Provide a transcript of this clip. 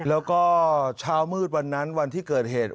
แล้วก็เช้ามืดวันนั้นวันที่เกิดเหตุ